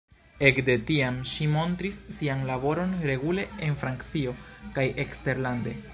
Ekde tiam, ŝi montris sian laboron regule en Francio kaj eksterlande.